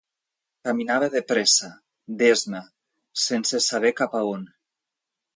Caminava de pressa, d'esma, sense saber cap a on.